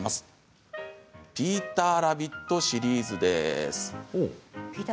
「ピーターラビット」シリーズです。